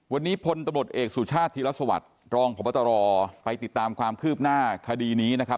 วันนี้พลตำรวจเอกสุชาติธีรสวัสดิ์รองพบตรไปติดตามความคืบหน้าคดีนี้นะครับ